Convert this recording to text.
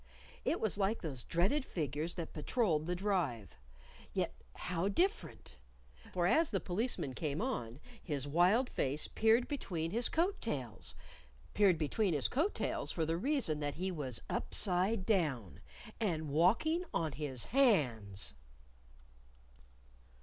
It was like those dreaded figures that patroled the Drive yet how different! For as the Policeman came on, his wild face peered between his coat tails! peered between his coat tails for the reason that he was upside down, and walking _on his hands!